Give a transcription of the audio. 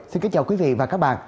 xin kính chào quý vị và các bạn